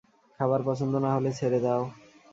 খাবার পছন্দ না হলে ছেড়ে দাও।